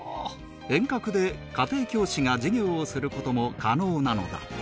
遠隔で家庭教師が授業をする事も可能なのだ